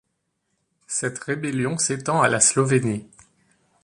Cette rébellion s'étend à la Slovénie.